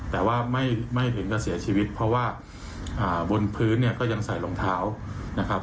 แต่ว่าไม่ถึงกับเสียชีวิตเพราะว่าบนพื้นเนี่ยก็ยังใส่รองเท้านะครับ